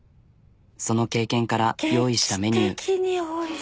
その経験から用意したメニュー。